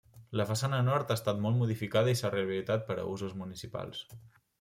La façana nord ha estat molt modificada i s'ha rehabilitat per a usos municipals.